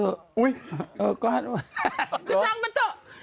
อ้าวตัวชั่งมาต่อ